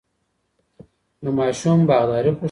یو ماشوم باغداري خوښوي.